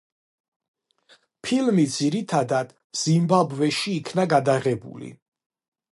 ფილმი ძირითადად ზიმბაბვეში იქნა გადაღებული.